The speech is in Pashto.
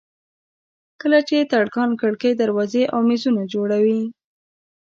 کله چې ترکاڼ کړکۍ دروازې او مېزونه جوړوي.